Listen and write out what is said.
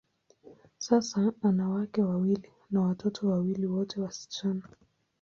Sasa, ana wake wawili na watoto wawili, wote wasichana.